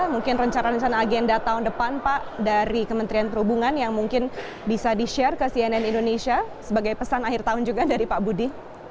mungkin rencana rencana agenda tahun depan pak dari kementerian perhubungan yang mungkin bisa di share ke cnn indonesia sebagai pesan akhir tahun juga dari pak budi